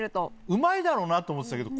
うまいだろうなと思ってたけど。